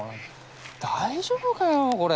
大丈夫かよこれ。